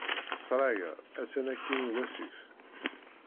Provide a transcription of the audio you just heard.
Ssṛaya attan akkin iwasif.